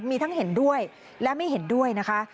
มีทั้งเห็นด้วยและไม่เห็นด้วยนะคะ